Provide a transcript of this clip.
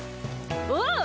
おう。